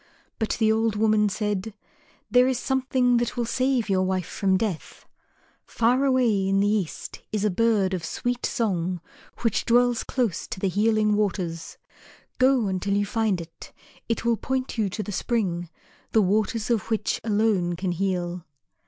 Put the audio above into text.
But the old woman said, "There is something that will save your wife from death. Far away in the East is a bird of sweet song which dwells close to the Healing Waters. Go until you find it. It will point you to the spring, the waters of which alone can heal."